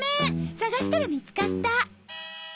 探したら見つかった。